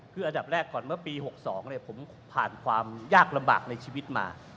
ก่อนหน้ากลับไปปี๖๒ผมผ่านความยากลำบากในชีวิตมา